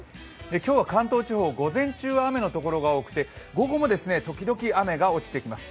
今日は関東地方、午前中は雨の所が多くて、午後も時々雨が落ちてきます。